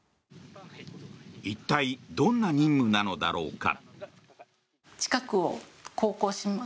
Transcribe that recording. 一体どんな任務なのだろうか。